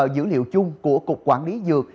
dữ liệu chung của cục quản lý dược